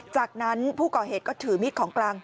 จากนั้นผู้ก่อเหตุก็ถือมีดของกลาง